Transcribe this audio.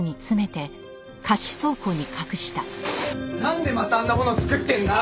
なんでまたあんなものを作ってるんだ！？